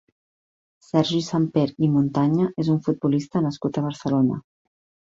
Sergi Samper i Montaña és un futbolista nascut a Barcelona.